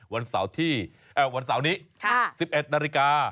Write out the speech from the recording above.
วันเสาร์ที่เอ่อวันเสาร์นี้ค่ะสิบเอ็ดนาฬิกา